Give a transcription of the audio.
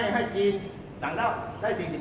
ให้จีนต่างเท่าได้๔๙